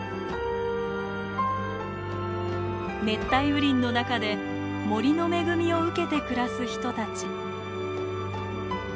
熱帯雨林の中で森の恵みを受けて暮らす人たち。